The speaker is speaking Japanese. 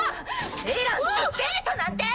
エランとデートなんて！